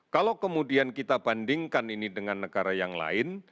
kalau kemudian kita bandingkan ini dengan negara yang lain